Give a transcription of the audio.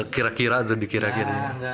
kira kira atau dikira kiranya